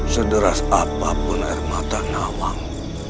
sederas apapun air mata nawang